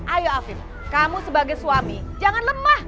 ayo afif kamu sebagai suami jangan lemah